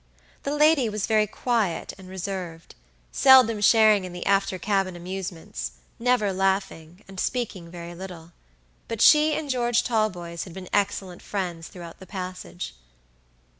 The lady was very quiet and reserved, seldom sharing in the after cabin amusements, never laughing, and speaking very little; but she and George Talboys had been excellent friends throughout the passage.